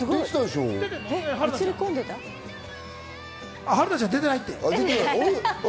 春菜ちゃん出てないって。